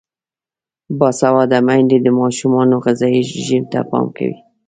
باسواده میندې د ماشومانو غذايي رژیم ته پام کوي.